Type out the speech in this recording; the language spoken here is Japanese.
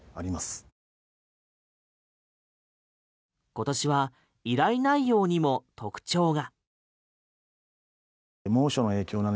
今年は依頼内容にも特徴が。